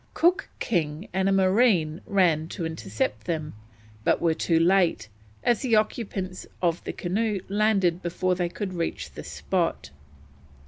Cook, King, and a marine ran to intercept them, but were too late, as the occupants of the canoe landed before they could reach the spot.